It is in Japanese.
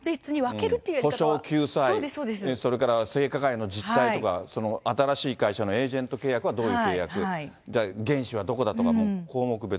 補償、救済、それから性加害の実態とか、新しい会社のエージェント契約はどういう契約、原資はどこだとか、項目別。